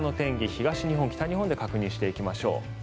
東日本、北日本で確認していきましょう。